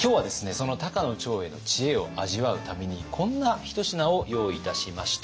その高野長英の知恵を味わうためにこんな一品を用意いたしました。